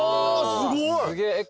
すごい！